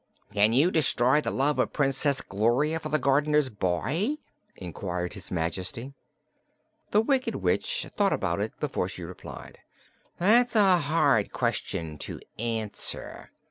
"Can you destroy the love of Princess Gloria for the gardener's boy?" inquired his Majesty. The Wicked Witch thought about it before she replied: "That's a hard question to answer.